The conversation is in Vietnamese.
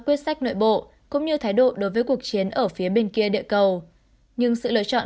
quyết sách nội bộ cũng như thái độ đối với cuộc chiến ở phía bên kia địa cầu nhưng sự lựa chọn